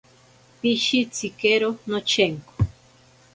Pishitsikero nochenko.